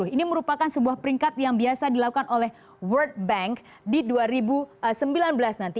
ini merupakan sebuah peringkat yang biasa dilakukan oleh world bank di dua ribu sembilan belas nanti